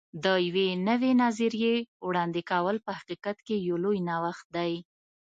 د یوې نوې نظریې وړاندې کول په حقیقت کې یو لوی نوښت دی.